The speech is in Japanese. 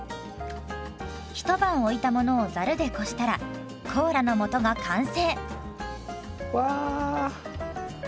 ひと晩置いたものをざるでこしたらコーラの素が完成。わ！